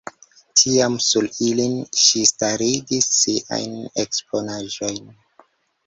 Tiam sur ilin ŝi starigis siajn eksponaĵojn.